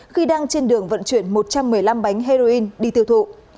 khi đang trên đường vận chuyển một trăm một mươi năm bánh heroin đi tiêu thụ